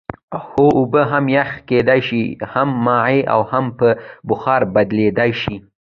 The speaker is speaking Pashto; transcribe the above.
هو اوبه هم یخ کیدای شي هم مایع او هم په بخار بدلیدلی شي